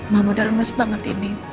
mama udah lemes banget ini